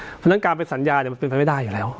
เพราะฉะนั้นการไปสัญญามันเป็นไปไม่ได้อยู่แล้ว